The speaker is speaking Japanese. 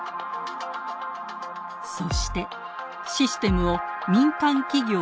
そしてシステムを民間企業に開放。